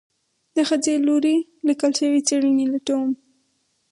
د خځې لوري ليکل شوي څېړنې لټوم